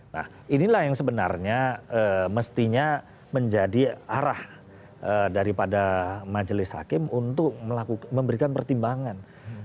nah inilah yang sebenarnya mestinya menjadi arah daripada majelis hakim untuk memberikan pertimbangan